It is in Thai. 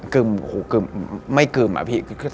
กึ่มโหกึ่มไม่กึ่มอะพี่